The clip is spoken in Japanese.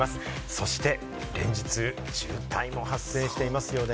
そして連日、渋滞も発生していますよね。